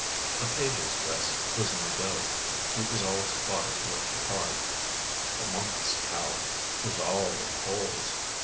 A page's dress was no go: it was all spotted like the pard. The monk"s cowl was all in holes.